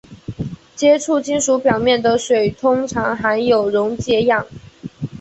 接触金属表面的水通常含有溶解氧。